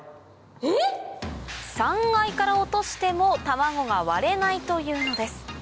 えっ⁉３階から落としても卵が割れないというのです